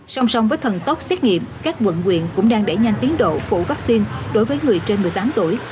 song song với thần tốc xét nghiệm các quận quyện cũng đang đẩy nhanh tiến độ phủ vaccine đối với người trên một mươi tám tuổi